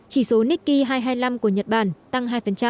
chỉ số nikkei hai trăm hai mươi năm của nhật bản tăng hai